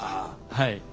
はい。